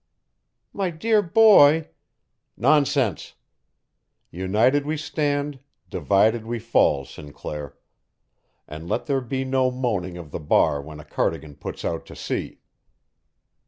"My dear boy " "Nonsense! United we stand, divided we fall, Sinclair; and let there be no moaning of the bar when a Cardigan puts out to sea."